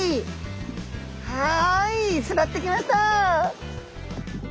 はい巣立っていきました。